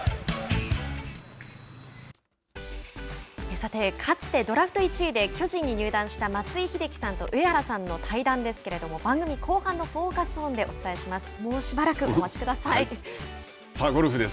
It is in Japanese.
さて、かつてドラフト１位で巨人に入団した松井秀喜さんと上原さんの対談ですけれども番組後半の「Ｆｏｃｕｓｏｎ」でゴルフです。